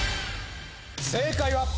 正解は。